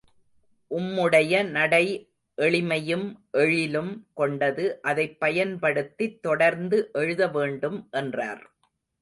உம்முடைய நடை எளிமையும் எழிலும் கொண்டது அதைப் பயன்படுத்தித் தொடர்ந்து எழுத வேண்டும் என்றார்.